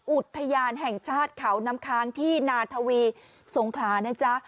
อุทยานแห่งชาติเขาน้ำค้างที่นาทวีสงขลานะจ๊ะ